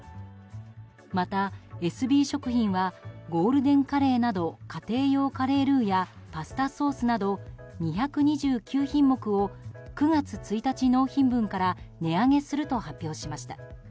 また、エスビー食品はゴールデンカレーなど家庭用カレールーやパスタソースなど２２９品目を９月１日納品分から値上げすると発表しました。